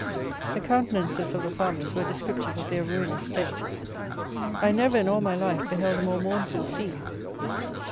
The countenances of the farmers were descriptive of their ruinous state. I never, in all my life, beheld a more mournful scene.